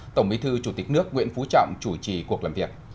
tổng bí thư chủ tịch nước nguyễn phú trọng chủ trì cuộc làm việc